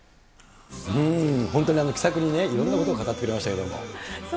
本当に気さくにいろんなことを語ってくれましたけれども。